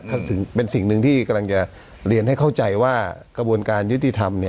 ก็ถึงเป็นสิ่งหนึ่งที่กำลังจะเรียนให้เข้าใจว่ากระบวนการยุติธรรม